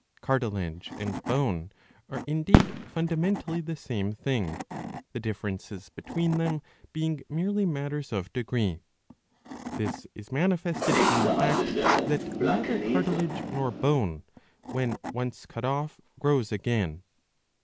Cartilage and bone are indeed fundamentally the same thing, the differences between them being merely matters of degree.^'' This is manifested in the fact that neither cartilage nor bone, when once cut off, grows again.